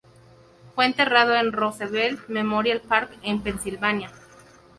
Fue enterrado en el Roosevelt Memorial Park, en Pensilvania.